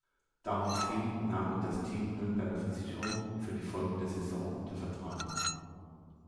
Daraufhin nahm ihn das Team Nürnberger Versicherung für die folgende Saison unter Vertrag.